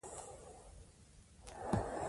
مرګ او ژوبله پکې ډېره کېده.